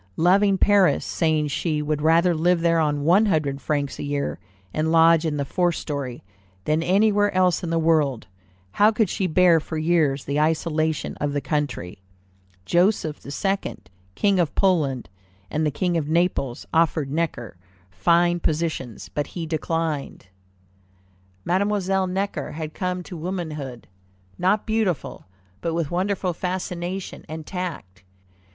Loving Paris, saying she would rather live there on "one hundred francs a year, and lodge in the fourth story," than anywhere else in the world, how could she bear for years the isolation of the country? Joseph II., King of Poland, and the King of Naples, offered Necker fine positions, but he declined. Mademoiselle Necker had come to womanhood, not beautiful, but with wonderful fascination and tact.